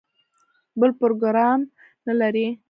بل پروګرام نه لري.